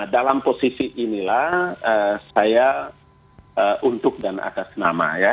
dalam posisi inilah saya untuk dan atas nama ya